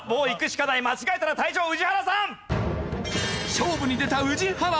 勝負に出た宇治原！